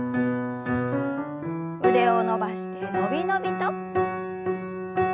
腕を伸ばしてのびのびと。